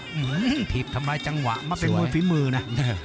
อื้อหือผีบทำร้ายจังหวะมาเป็นมวยฝีมือนะ